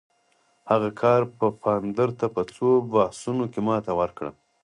هغه کارل پفاندر ته په څو بحثونو کې ماته ورکړه.